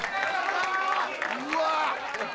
うわ！